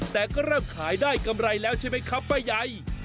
แต่ก็เริ่มขายได้กำไรแล้วใช่ไหมครับป้าใย